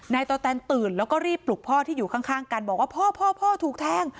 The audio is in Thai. ต่อแตนตื่นแล้วก็รีบปลุกพ่อที่อยู่ข้างกันบอกว่าพ่อพ่อถูกแทง